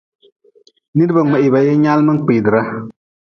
Nidba mngehii ba yin nyaalm n kpiidra.